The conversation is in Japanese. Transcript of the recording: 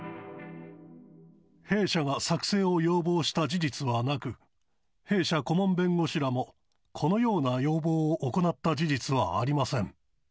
弊社が作成を要望した事実はなく、弊社顧問弁護士らも、このような要望を行った事実はありません。